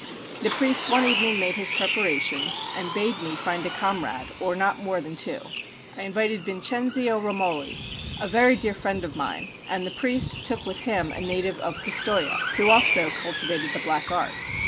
The priest one evening made his preparations, and bade me find a comrade, or not more than two. I invited Vincenzio Romoli, a very dear friend of mine, and the priest took with him a native of Pistoja, who also cultivated the black art.